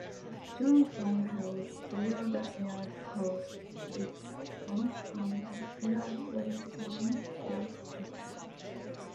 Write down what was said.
Johnson held clear-the-air talks with Hodgson and the pair played down their dispute.